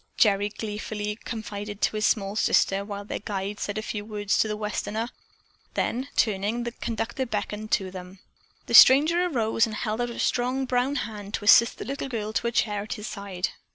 Gerry gleefully confided to his small sister while their guide said a few words to the Westerner. Then, turning, the conductor beckoned to them. The stranger arose and held out a strong brown hand to assist the little girl to a chair at his side.